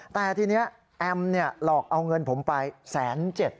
แต่ทีนี้แอมหลอกเอาเงินผมไปแสนเจ็ด